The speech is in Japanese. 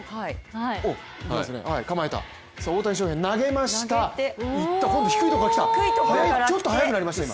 構えた、大谷翔平投げました、いった、今度は低いところから来た、ちょっと速くなりましたね、今。